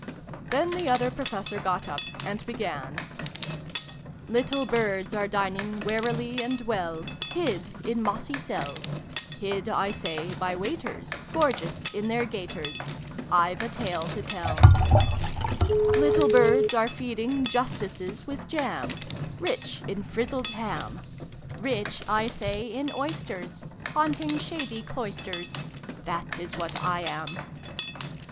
Then the Other Professor got up, and began : Little Birds are dining Warily and well, Hid in mossy cell: Hid, 1 say, by waiters Gorgeous in their gaiters I've a Tale to tell. XXIll] THE PIG TALE 365 Little Birds are feeding Justices with jam, Rich in frizzled ham : Rich, I say, in oysters Haunting shady cloisters That is what I am.